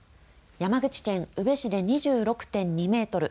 山口県宇部市で２６．２メートル